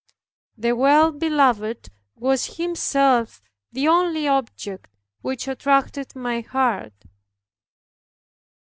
The Well beloved was Himself the only object which attracted my heart.